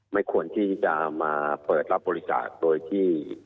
ไม่ควรที่จะมาเปิดรับบริจาคโดยที่